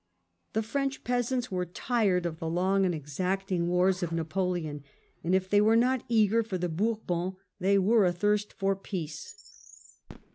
The French peasants were tired of the long and exacting wars of Napoleon, and, if they were not eager for the Bourbons, they were athirst for peace.